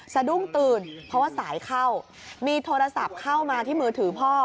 สะดุ้งตื่นเพราะว่าสายเข้ามีโทรศัพท์เข้ามาที่มือถือพ่อ